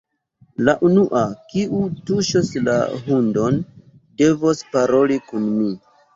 La unua, kiu tuŝos la hundon, devos paroli kun mi.